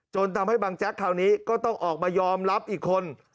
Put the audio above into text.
จนทำให้บังแจ๊กคราวนี้ก็ต้องออกมายอมรับอีกคน